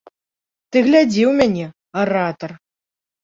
Ты глядзі ў мяне, аратар!